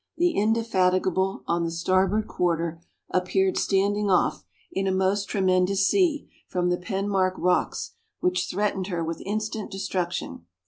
The Indefatigable, on the starboard quarter, appeared standing off, in a most tremendous sea, from the Penmark rocks, which threatened her with instant destruction.